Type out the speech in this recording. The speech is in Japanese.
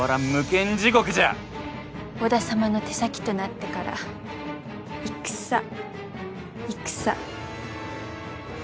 織田様の手先となってから戦戦戦。